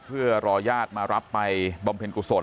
เพื่อรอญาติมารับไปบำเพ็ญกุศล